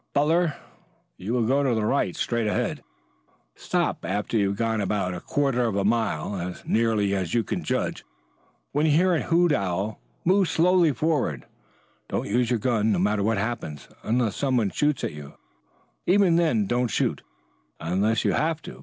"Butler, you will go to the right, straight ahead. Stop after you have gone about a quarter of a mile as nearly as you can judge. When you hear an owl hoot, move slowly forward. Don't use your gun, no matter what happens, unless some one shoots at you. Even then don't shoot unless you have to.